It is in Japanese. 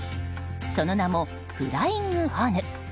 その名も、フライングホヌ。